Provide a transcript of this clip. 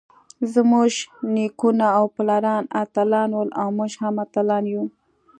زمونږ نيکونه او پلاران اتلان ول اؤ مونږ هم اتلان يو.